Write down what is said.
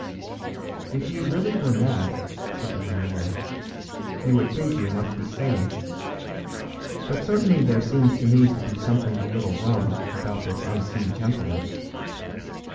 "If you really were mad," said the young man, "you would think you must be sane. But certainly there seems to me to be something a little rum about this unseen gentleman.